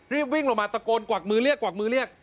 รีบวิ่งลงมาตะโกนกวักมือเรียก